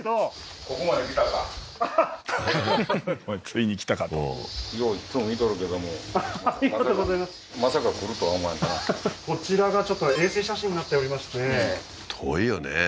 ついに来たかとこちらがちょっと衛星写真になっておりまして遠いよね